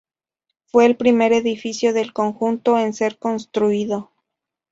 Fue el primer edificio del conjunto en ser construido.